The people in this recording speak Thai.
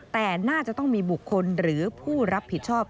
แต่น่าจะต้องมีบุคคลหรือผู้รับผิดชอบ